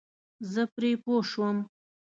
زه پرې پوه شوم.